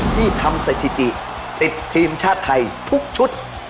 ที่ทำสถิติติดทีมชาติไทยทุกชุด